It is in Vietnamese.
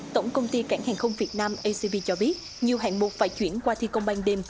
tổng công ty cảng hàng không việt nam acv cho biết nhiều hạng mục phải chuyển qua thi công ban đêm